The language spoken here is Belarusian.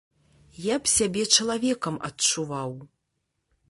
Я б сябе чалавекам адчуваў.